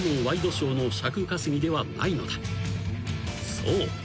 ［そう。